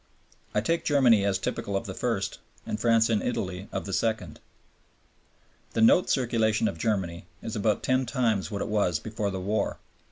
I take Germany as typical of the first, and France and Italy of the second. The note circulation of Germany is about ten times what it was before the war.